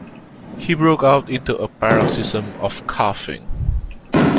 He broke out into a paroxysm of coughing.